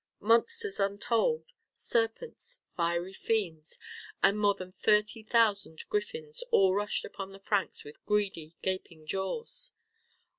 Monsters untold, serpents, fiery fiends, and more than thirty thousand griffins, all rushed upon the Franks with greedy, gaping jaws.